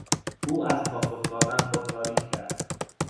او از پاسخ دادن خودداری کرد.